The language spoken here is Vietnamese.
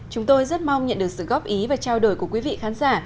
chúng tôi rất mong nhận được sự góp ý và trao đổi của quý vị khán giả